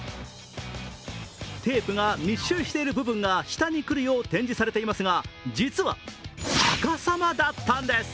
テープが密集している部分が下にくるように展示されていますが、実は逆さまだったんです。